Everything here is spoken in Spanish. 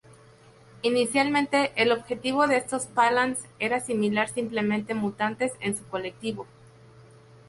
Inicialmente, el objetivo de estos Phalanx era asimilar simplemente mutantes en su colectivo.